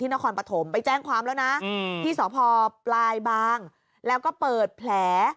นครปฐมไปแจ้งความแล้วนะที่สพปลายบางแล้วก็เปิดแผล